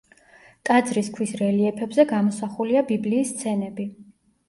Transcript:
ტაძრის ქვის რელიეფებზე გამოსახულია ბიბლიის სცენები.